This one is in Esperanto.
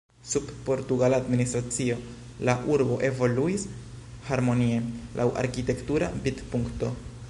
Sub portugala administracio la urbo evoluis harmonie laŭ arkitektura vidpunkto.